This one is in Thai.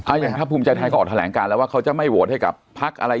อย่างถ้าภูมิใจไทยก็ออกแถลงการแล้วว่าเขาจะไม่โหวตให้กับพักอะไร